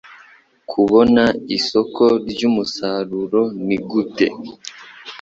Kubona isoko ry umusaruro ni gute